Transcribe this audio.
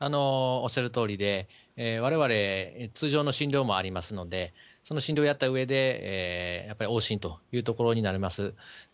おっしゃるとおりで、われわれ、通常の診療もありますので、その診療をやったうえで、やっぱり往診というところになります。